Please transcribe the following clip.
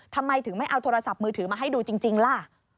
ทำไมถึงไม่เอาโทรศัพท์มือถือมาให้ดูจริงล่ะ